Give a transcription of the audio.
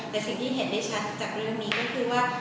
แต่สิ่งที่เห็นได้ชัดจากเรื่องนี้ก็คือว่า